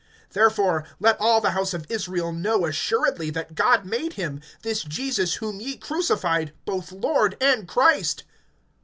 (36)Therefore let all the house of Israel know assuredly, that God made him, this Jesus whom ye crucified, both Lord and Christ.